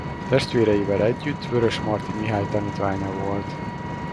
Testvéreivel együtt Vörösmarty Mihály tanítványa volt.